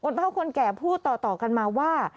เท่าคนแก่พูดต่อกันมาว่า